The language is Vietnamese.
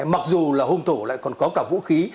mặc dù là hôn thổ lại còn có cả vũ khí